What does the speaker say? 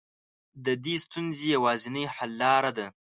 د دې ستونزې يوازنۍ حل لاره ده.